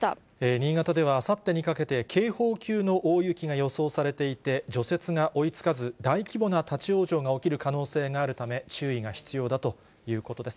新潟ではあさってにかけて、警報級の大雪が予想されていて、除雪が追いつかず、大規模な立往生が起きる可能性があるため、注意が必要だということです。